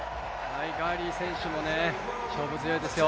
ガーリー選手も勝負強いですよ。